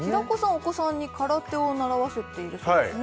お子さんに空手を習わせているそうですね